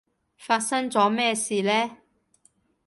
發生咗咩嘢事呢？